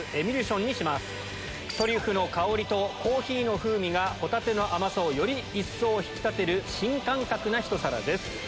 トリュフの香りとコーヒーの風味がホタテの甘さをより一層引き立てる新感覚なひと皿です。